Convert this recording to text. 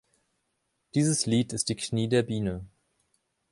Dieses Lied ist die Knie der Biene.